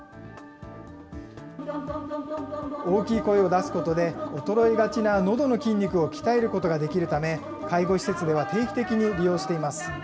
大きい声を出すことで、衰えがちなのどの筋肉を鍛えることができるため、介護施設では定期的に利用しています。